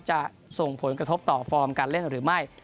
จะส่งผลกระทบต่อฟอร์มการเล่นหรือไม่